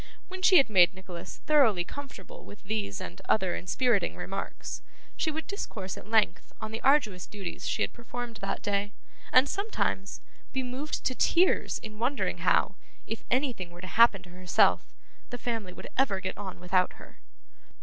When she had made Nicholas thoroughly comfortable with these and other inspiriting remarks, she would discourse at length on the arduous duties she had performed that day; and, sometimes, be moved to tears in wondering how, if anything were to happen to herself, the family would ever get on without her.